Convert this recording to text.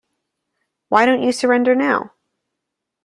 Why don't you surrender now?